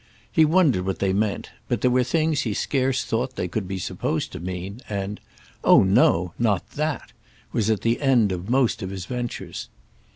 He wondered what they meant, but there were things he scarce thought they could be supposed to mean, and "Oh no—not that!" was at the end of most of his ventures.